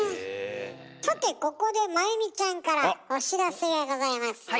さてここで麻由美ちゃんからお知らせがございますよ。